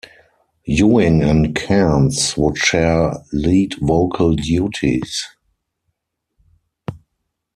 Ewing and Cairns would share lead vocal duties.